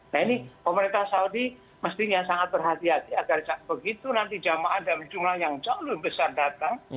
nah ini pemerintah saudi mestinya sangat berhati hati agar begitu nanti jemaah dalam jumlah yang jauh lebih besar datang